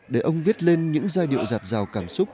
để ông viết lên những giai điệu dạp dào cảm xúc